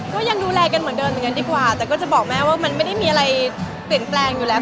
ก็ยังดูแลกันเหมือนเดิมเหมือนกันดีกว่าแต่ก็จะบอกแม่ว่ามันไม่ได้มีอะไรเปลี่ยนแปลงอยู่แล้ว